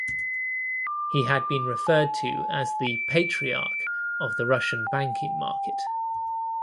He had been referred to as the "Patriarch" of the Russian banking market.